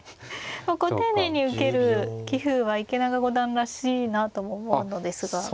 こう丁寧に受ける棋風は池永五段らしいなとも思うのですがどうでしょう。